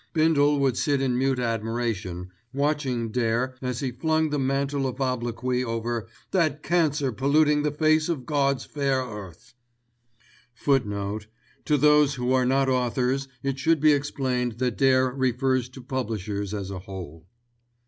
Bindle would sit in mute admiration, watching Dare as he flung the mantle of obloquy over "that cancer polluting the face of God's fair earth."* *To those who are not authors it should be explained that Dare refers to publishers as a whole.